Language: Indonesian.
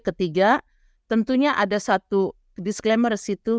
ketiga tentunya ada satu disclaimer disitu